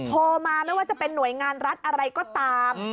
โทรมาไม่ว่าจะเป็นหน่วยงานรัฐอะไรก็ตาม